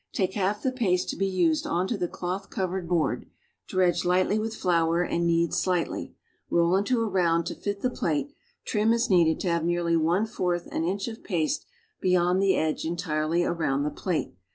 Take half the paste to be used onto the cloth covered board, dredge lightly with flour and knead slightly; roll into a round to fit the plate, trim as nee<led to ha\'e nearly one fourth an inch of paste beyond the edge entirely around the plate.